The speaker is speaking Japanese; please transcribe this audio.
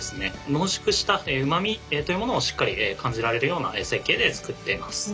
濃縮したうまみというものをしっかり感じられるような設計で作っています。